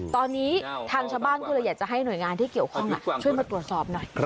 ตอนนี้ทางชาวบ้านก็เลยอยากจะให้หน่วยงานที่เกี่ยวข้องช่วยมาตรวจสอบหน่อย